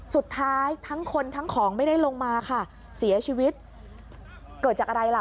สุดท้ายทั้งคนทั้งของไม่ได้ลงมาค่ะเสียชีวิตเกิดจากอะไรล่ะ